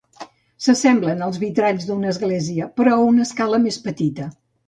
S'assemblen als vitralls d'una església, però a una escala més petita.